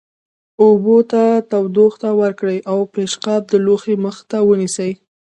اوبو ته تودوخه ورکړئ او پیشقاب د لوښي مخ ته ونیسئ.